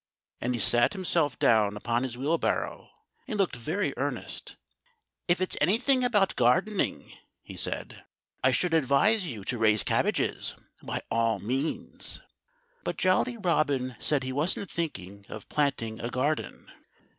And he sat himself down upon his wheelbarrow and looked very earnest. "If it's anything about gardening," he said, "I should advise you to raise cabbages, by all means." But Jolly Robin said he wasn't thinking of planting a garden.